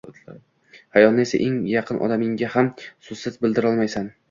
Xayolni esa eng yaqin odamingga ham so‘zsiz bildirolmaysan